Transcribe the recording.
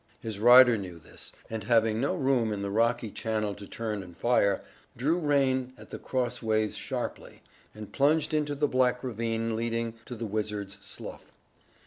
His rider knew this, and having no room in the rocky channel to turn and fire, drew rein at the crossways sharply, and plunged into the black ravine leading to the Wizard's Slough.